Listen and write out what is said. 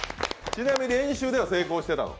ちなみに練習では成功してたの？